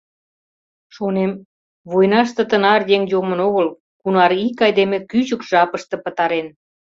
Шонем, войнаште тынар еҥ йомын огыл, кунар ик айдеме кӱчык жапыште пытарен.